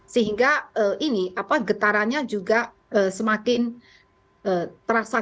sehingga ini getarannya juga semakin terasa